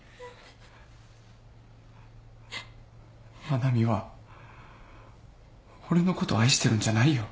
愛菜美は俺のことを愛してるんじゃないよ。